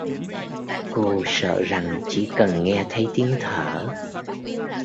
Cô sợ rằng chỉ cần Nghe thấy tiếng thở